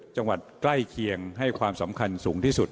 จังหวัดใกล้เคียงให้ความสำคัญสูงที่สุด